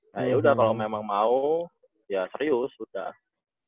nah ya udah kalau memang mau ya serius udah